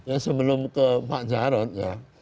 ya sebelum ke pak jarod ya